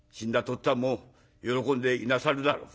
っつぁんも喜んでいなさるだろう。